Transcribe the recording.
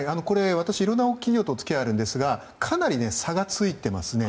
私、いろんな企業とお付き合いがあるんですがかなり差がついていますね。